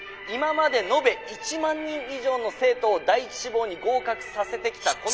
今まで延べ１万人以上の生徒を第１志望に合格させてきた」。